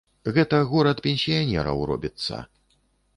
Гэта горад пенсіянераў робіцца.